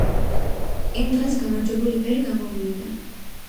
იმ დღეს გამარჯვებული ვერ გამოვლინდა.